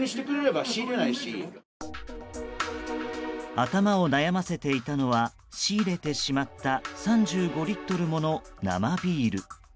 頭を悩ませていたのは仕入れてしまった３５リットルもの生ビール。